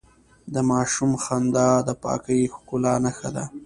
د ماشوم خندا د پاکې ښکلا نښه ده.